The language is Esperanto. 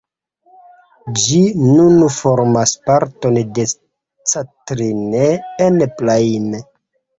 Ĝi nun formas parton de Castine-en-Plaine.